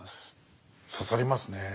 刺さりますね。